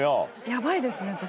ヤバいですね私。